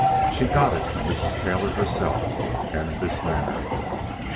She got it from Mrs. Taylor herself, and in this manner.